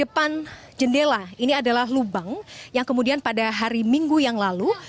di depan jendela ini adalah lubang yang kemudian pada hari minggu yang lalu